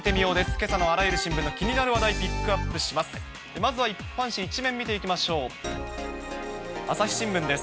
けさのあらゆる新聞の気になる話題、ピックアップします。